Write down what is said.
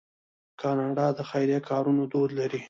کاناډا د خیریه کارونو دود لري.